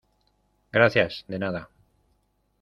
gracias. de nada .